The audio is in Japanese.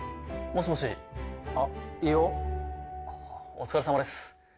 お疲れさまです